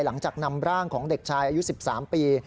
หลังจากนำร่างของเด็กชายอายุ๑๓ปี